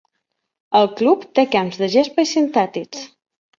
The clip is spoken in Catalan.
El club té camps de gespa i sintètics.